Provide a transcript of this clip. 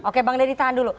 oke bang deddy tahan dulu